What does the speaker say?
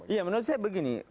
ya menurut saya begini